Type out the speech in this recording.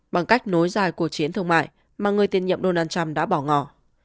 bằng cách nối dài cuộc chiến thương mại mà người tiền nhiệm donald trump đã bỏ ngỏ